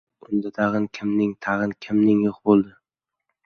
Unda, tag‘in, kimim... tag‘in kimim yo‘q bo‘ldi?